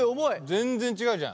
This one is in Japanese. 全然違うじゃん。